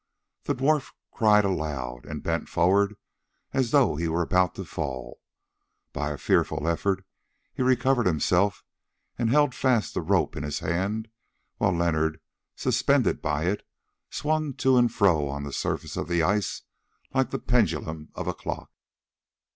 The dwarf cried aloud and bent forward as though he were about to fall. By a fearful effort he recovered himself and held fast the rope in his hand, while Leonard, suspended by it, swung to and fro on the surface of the ice like the pendulum of a clock.